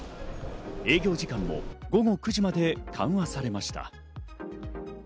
営業時間も午後９時までに緩和されました。